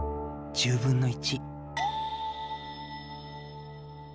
１０分の１。